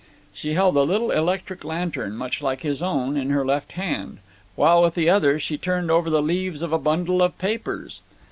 She held a little electric lantern, much like his own, in her left hand, while with the other she turned over the leaves of a bundle of papers.